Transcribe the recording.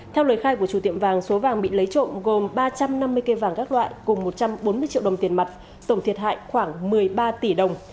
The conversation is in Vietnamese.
theo lời khai của chủ tiệm vàng số vàng bị lấy trộm gồm ba trăm năm mươi cây vàng các loại cùng một trăm bốn mươi triệu đồng tiền mặt tổng thiệt hại khoảng một mươi ba tỷ đồng